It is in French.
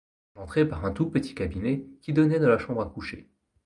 J'entrai par un tout petit cabinet qui donnait dans la chambre à coucher.